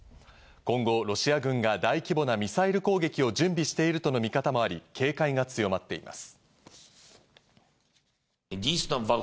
今後、ロシア軍が大規模なミサイル攻撃を準備しているとの見方もあり、警戒が強まっています。